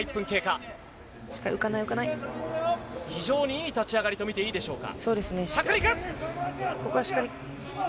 非常にいい立ち上がりとみていいでしょうか。